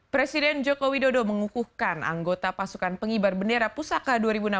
presiden joko widodo mengukuhkan anggota pasukan pengibar bendera pusaka dua ribu enam belas